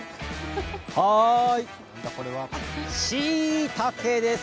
しいたけです。